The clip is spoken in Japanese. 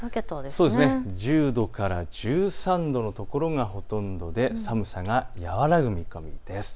１０度から１３度の所がほとんどで寒さは和らぐ見込みです。